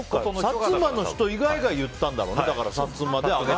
薩摩の人以外が言ったんでしょうね。